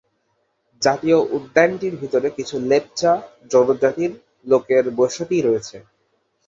জাতীয় উদ্যানটির ভিতর কিছু লেপচা জনজাতির লোকের বসতি আছে।